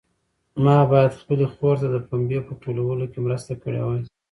ما باید خپلې خور ته د پنبې په ټولولو کې مرسته کړې وای.